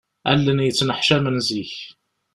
Allen yettneḥcamen zik.